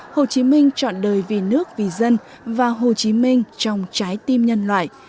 hồ chí minh chọn đời vì nước vì dân và hồ chí minh trong trái tim nhân loại